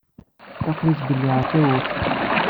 Aql-i ttbelliɛeɣ tawwurt.